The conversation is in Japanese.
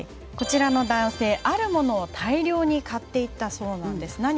こちらの男性あるものを大量に買ったんです。